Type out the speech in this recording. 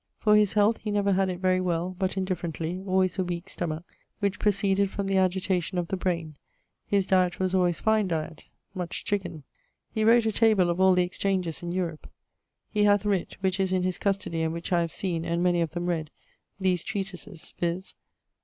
For his health he never had it very well, but indifferently, alwaies a weake stomach, which proceeded from the agitation of the braine. His dyet was alwayes fine diet: much chicken. He wrote a Table of all the Exchanges in Europe. He hath writt (which is in his custodie, and which I have seen, and many of them read) these treatises, viz.